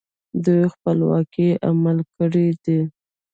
دوی خپلواک عمل کړی دی